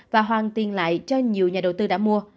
và hoàn tiền lại cho nhiều nhà đầu tư đã mua